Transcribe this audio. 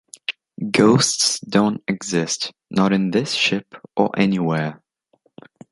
Ghosts don’t exist. Not in this ship or anywhere.